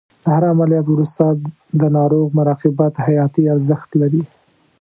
د هر عملیات وروسته د ناروغ مراقبت حیاتي ارزښت لري.